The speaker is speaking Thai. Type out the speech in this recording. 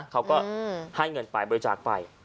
เขาก็ให้เงินไปบริจาคไป